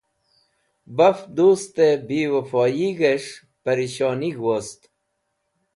Baf dustẽ biwẽfogig̃hẽs̃h pẽrishonig̃h wost.